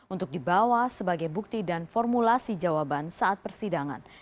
untuk dibawa sebagai bukti dan formulasi jawaban saat persidangan